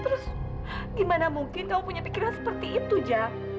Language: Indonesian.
terus gimana mungkin kamu punya pikiran seperti itu ja